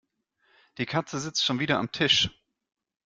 Die Katze sitzt schon wieder am Tisch.